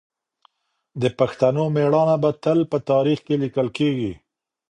د پښتنو مېړانه به تل په تاریخ کې لیکل کېږي.